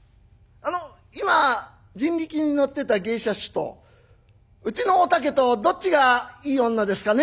「あの今人力に乗ってた芸者衆とうちのお竹とどっちがいい女ですかね？」。